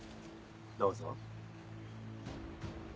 どうぞ。